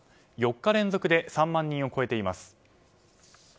４日連続で３万人を超えています。